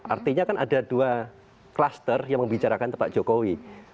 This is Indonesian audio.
artinya kan ada dua klaster yang membicarakan pak jokowi